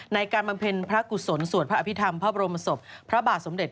บำเพ็ญพระกุศลสวดพระอภิษฐรรมพระบรมศพพระบาทสมเด็จ